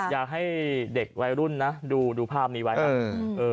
อยากให้เด็กวัยรุ่นนะดูภาพนี้ไว้ครับ